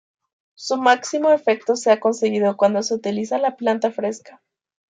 Su máximo efecto se ha conseguido cuando se utiliza la planta fresca.